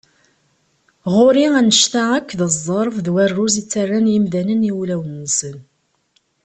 Ɣur-i anect-a akk d ẓẓerb d warruz i ttarran yimdanen i wulawen-nsen.